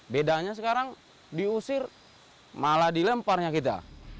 bedanya sekarang diusir malah dilemparnya kita